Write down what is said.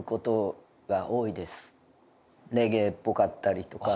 レゲエっぽかったりとか。